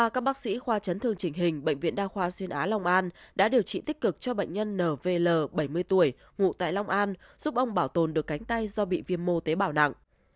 các bác sĩ khoa chấn thương trình hình bệnh viện đa khoa xuyên á long an đã điều trị tích cực cho bệnh nhân nl bảy mươi tuổi ngụ tại long an giúp ông bảo tồn được cánh tay do bị viêm mô tế bào nặng